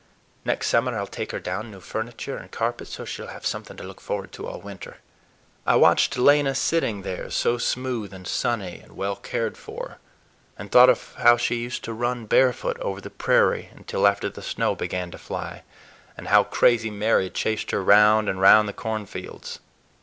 Next summer I'll take her down new furniture and carpets, so she'll have something to look forward to all winter." I watched Lena sitting there so smooth and sunny and well cared for, and thought of how she used to run barefoot over the prairie until after the snow began to fly, and how Crazy Mary chased her round and round the cornfields.